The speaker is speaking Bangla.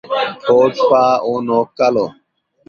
ঠোঁট, পা ও নখ কালো।